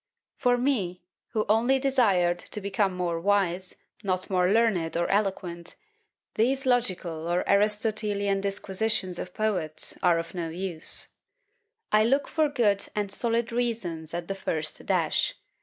For me, who only desired to become more wise, not more learned or eloquent, these logical or Aristotelian disquisitions of poets are of no use. I look for good and solid reasons at the first dash.